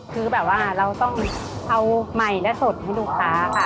คือแบบว่าเราต้องเอาใหม่และสดให้ลูกค้าค่ะ